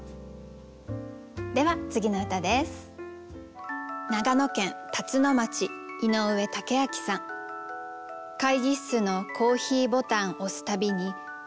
では次の歌です。